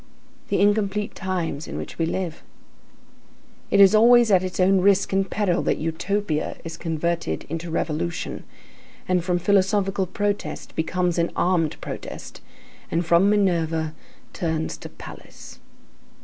The incomplete times in which we live. It is always at its own risk and peril that Utopia is converted into revolution, and from philosophical protest becomes an armed protest, and from Minerva turns to Pallas.